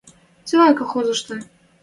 Цилӓн колхозышты